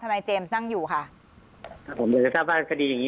ทนายเจมส์นั่งอยู่ค่ะพำผมต้องทราบว่าคดีอย่างงี้